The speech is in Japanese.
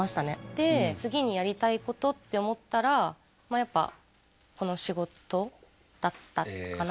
で次にやりたいことって思ったらやっぱこの仕事だったかな